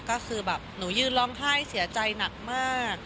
ก็คือแบบหนูยืนร้องไห้เสียใจหนักมาก